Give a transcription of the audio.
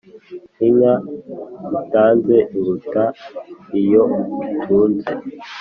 inka utanze iruta iyo utunze